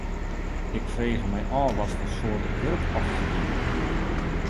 Ik frege my ôf watfoar soarte wurk oft se die.